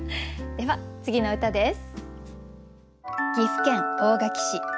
では次の歌です。